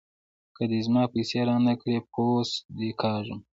که دې زما پيسې را نه کړې؛ پوست دې کاږم.